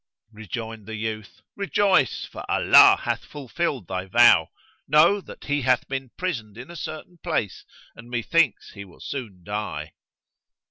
Rejoined the youth, "Rejoice, for Allah hath fulfilled thy vow. Know that he hath been prisoned in a certain place and methinks he will soon die."